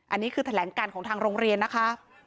อันนี้คือแถลงการของทางโรงเรียนนะคะ